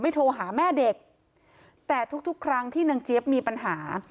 โทรหาแม่เด็กแต่ทุกทุกครั้งที่นางเจี๊ยบมีปัญหา